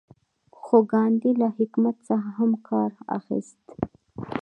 خو ګاندي له حکمت څخه هم کار اخیست.